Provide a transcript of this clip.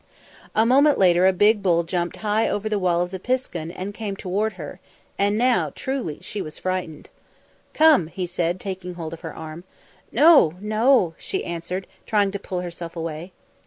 A moment later a big bull jumped high over the wall of the piskun and came toward her, and now truly she was frightened. "Come," he said, taking hold of her arm. "No, no," she answered, trying to pull herself away.